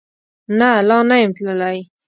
نه، لا نه یم تللی